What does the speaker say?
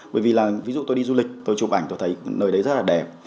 bởi vì là ví dụ tôi đi du lịch tôi chụp ảnh tôi thấy nơi đấy rất là đẹp